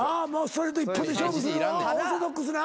ストレート一発で勝負するオーソドックスな。